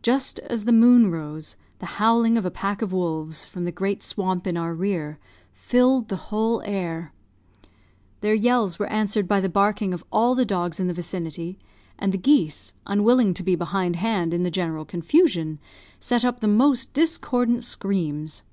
Just as the moon rose, the howling of a pack of wolves, from the great swamp in our rear, filled the whole air. Their yells were answered by the barking of all the dogs in the vicinity, and the geese, unwilling to be behind hand in the general confusion, set up the most discordant screams.